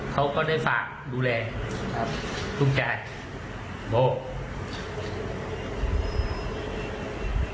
เขาก็ได้ฝากดูแลครับทุกข้าวโบ๊ค